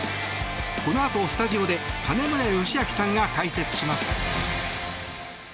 このあとスタジオで金村義明さんが解説します。